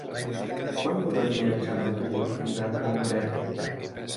Quant dura el viatge en autobús fins a Gombrèn?